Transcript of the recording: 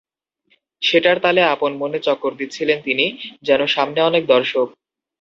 সেটার তালে আপন মনে চক্কর দিচ্ছিলেন তিনি, যেন সামনে অনেক দর্শক।